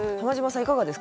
いかがですか？